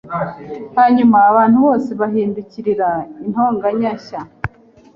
Hanyuma abantu bose bahindukirira intonganya nshya